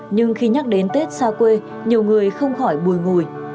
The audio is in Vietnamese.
nhưng khi nhắc đến tết xa quê nhiều người không khỏi bùi ngùi